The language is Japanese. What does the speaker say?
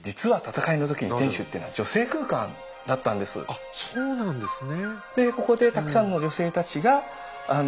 あっそうなんですね。